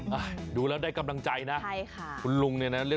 แล้วอยากให้กำลังใจเขาอะไรอย่างนี้บ้าง